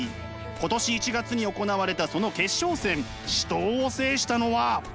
今年１月に行われたその決勝戦死闘を制したのは。